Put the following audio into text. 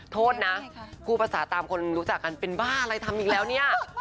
โทษนะพูดภาษาตามคนรู้จักกันเป็นบ้าอะไรทำอีกแล้วเนี่ย